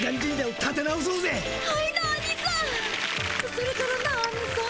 それからなアニさん。